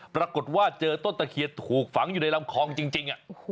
ปรากฏว่าเจอต้นตะเคียนถูกฝังอยู่ในลำคลองจริง